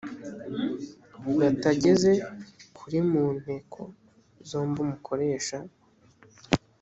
batageze kuri mu nteko zombi umukoresha